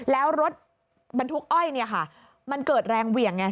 แล้วรถบรรทุกอ้อยเนี่ยค่ะมันเกิดแรงเหวี่ยงไง